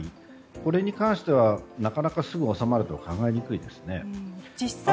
これに関しては、なかなかすぐ収まるとは考えにくいですね。